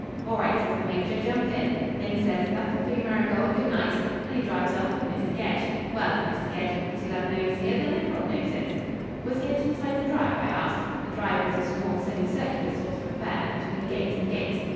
'All right,' says the Major, 'jump in.' Then he says: 'That'll do, Marigold. Good night.' And he drives off with Mr. Gedge. Well, if Mr. Gedge and Prettilove know he's here, then everyone knows it." "Was Gedge inside the drive?" I asked. The drive was a small semicircular sort of affair, between gate and gate.